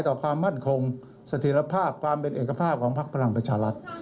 ต่อความมั่นคงเสถียรภาพความเป็นเอกภาพของพักพลังประชารัฐ